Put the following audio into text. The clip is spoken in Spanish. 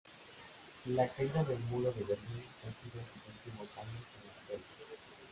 La caída del muro de Berlín coincide con sus últimos años en la escuela.